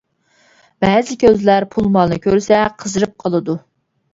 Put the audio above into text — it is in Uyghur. بەزى كۆزلەر پۇل-مالنى كۆرسە قىزىرىپ قالىدۇ.